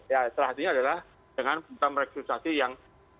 ya salah satunya adalah dengan pemerintah reksilisasi yang berhasil